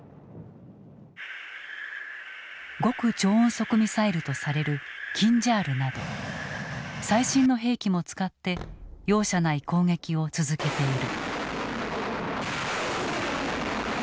極超音速ミサイルとされるキンジャールなど最新の兵器も使って容赦ない攻撃を続けている。